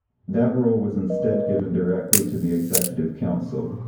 That role was instead given directly to the Executive Council.